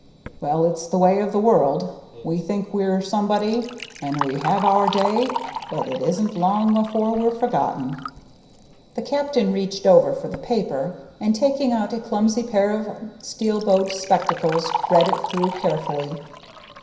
Well, it's the way of the world; we think we're somebody, and we have our day, but it isn't long afore we're forgotten." The captain reached over for the paper, and taking out a clumsy pair of steel bowed spectacles, read it through carefully.